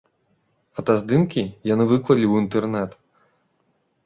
Фотаздымкі яны выклалі ў інтэрнэт.